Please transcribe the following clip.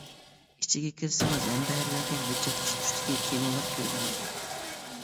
ئىچىگە كىرسىڭىز ھەمبەھىرلەنگەن ھۆججەت قىسقۇچتىكى كىنولار كۆرۈنىدۇ.